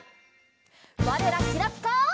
われらきらぴか。